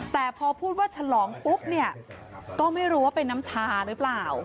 แต่พอพูดว่าฉลองปุ๊บเนี่ยก็ไม่รู้ว่าเป็นน้ำชาหรือเปล่า